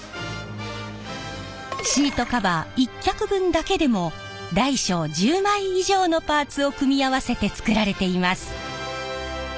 シートカバー１脚分だけでも大小１０枚以上のパーツを組み合わせて作られています。